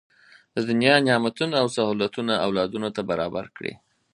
د دنیا نعمتونه او سهولتونه اولادونو ته برابر کړي.